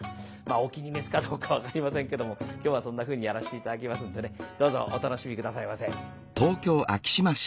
お気に召すかどうか分かりませんけども今日はそんなふうにやらして頂きますんでねどうぞお楽しみ下さいませ。